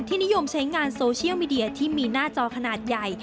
นิยมใช้งานโซเชียลมีเดียที่มีหน้าจอขนาดใหญ่